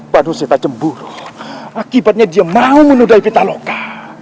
dan dia akan menundaipi pitaloka